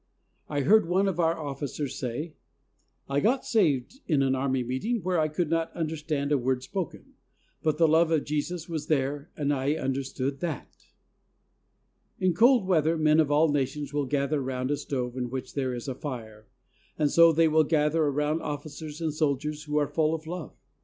I heard one of our officers say: "I got saved in an Army meeting where I could not understand a word spoken. But the love of Jesus was there and I understood that." In cold weather men of all nations will gather around a stove in which there is a fire, and so they will gather around officers and soldiers who are full of love.